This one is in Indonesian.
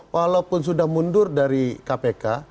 walaupun sudah mundur dari kpk